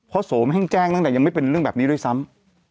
โสมให้แจ้งตั้งแต่ยังไม่เป็นเรื่องแบบนี้ด้วยซ้ำ